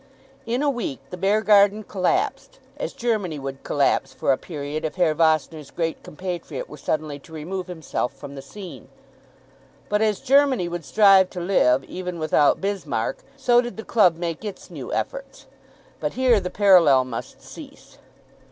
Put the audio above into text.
In a week the Beargarden collapsed, as Germany would collapse for a period if Herr Vossner's great compatriot were suddenly to remove himself from the scene; but as Germany would strive to live even without Bismarck, so did the club make its new efforts. But here the parallel must cease.